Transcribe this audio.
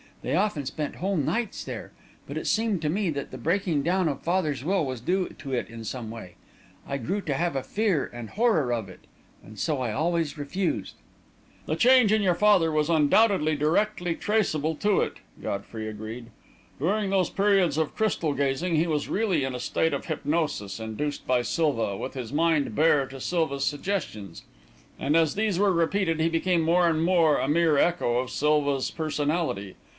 They often spent whole nights there. But it seemed to me that the breaking down of father's will was due to it in some way; I grew to have a fear and horror of it, and so I always refused." "The change in your father was undoubtedly directly traceable to it," Godfrey agreed. "During those periods of crystal gazing, he was really in a state of hypnosis, induced by Silva, with his mind bare to Silva's suggestions; and as these were repeated, he became more and more a mere echo of Silva's personality.